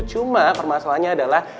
cuma permasalahannya adalah